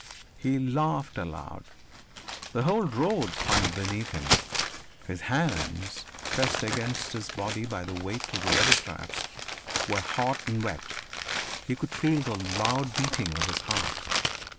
He laughed aloud. The white road spun beneath him. His hands, pressed against his body by the weight of the leather straps, were hot and wet; he could feel the loud beating of his heart.